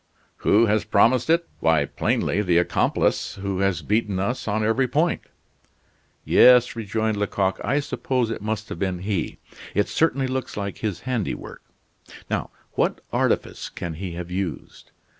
"Who has promised it? Why, plainly the accomplice who has beaten us on every point." "Yes," rejoined Lecoq, "I suppose it must have been he. It certainly looks like his handiwork now, what artifice can he have used?